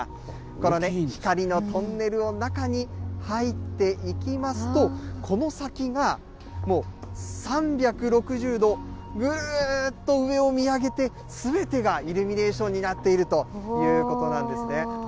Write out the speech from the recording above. このね、光のトンネルの中に入っていきますと、この先が、もう３６０度、ぐるーっと上を見上げて、すべてがイルミネーションになっているということなんですね。